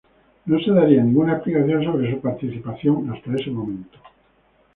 No se daría ninguna explicación sobre su participación hasta ese momento.